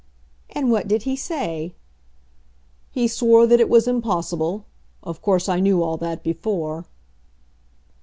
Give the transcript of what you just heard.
"And what did he say?" "He swore that it was impossible. Of course I knew all that before."